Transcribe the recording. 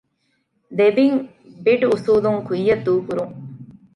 ދެ ބިން ބިޑް އުސޫލުން ކުއްޔަށް ދޫކުރުން